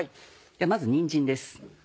まずにんじんです。